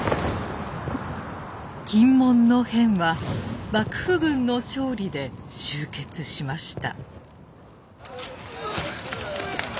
禁門の変は幕府軍の勝利で終結しました。